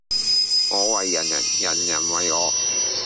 我為人人，人人為我